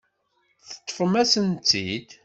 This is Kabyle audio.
Teṭṭfem-asent-tt-id.